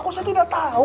kok saya tidak tahu